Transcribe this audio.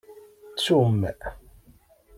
Ttum!